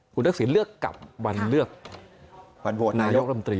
คุณทักษิณเลือกกับวันเลือกวันโหวตนายกรมตรี